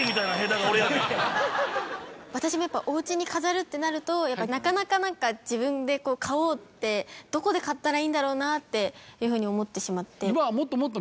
私もおうちに飾るってなるとなかなか何か自分で買おうってどこで買ったらいいんだろうなっていうふうに思ってしまって。